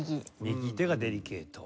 右手がデリケート。